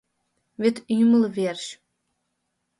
Вет ӱмыл верч